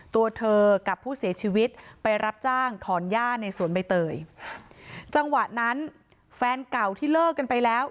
ตัวเธอกับผู้เสียชีวิตไปรับจ้างถอนย่าในสวนใบเตยจังหวะนั้นแฟนเก่าที่เลิกกันไปแล้ว